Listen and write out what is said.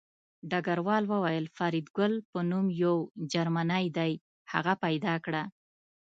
ډګروال وویل فریدګل په نوم یو جرمنی دی هغه پیدا کړه